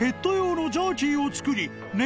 藩僂ジャーキーを作り優